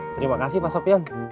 terima kasih pak sopyan